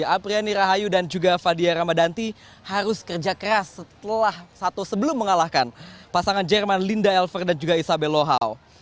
apriani rahayu dan juga fadia ramadhanti harus kerja keras setelah satu sebelum mengalahkan pasangan jerman linda elver dan juga isabel lohhao